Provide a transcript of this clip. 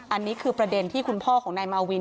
อันนี้คือประเด็นที่คุณพ่อของนายมาวิน